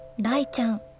雷ちゃん